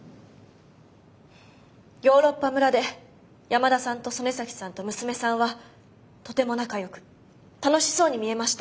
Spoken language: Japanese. ヨーロッパ村で山田さんと曽根崎さんと娘さんはとても仲よく楽しそうに見えました。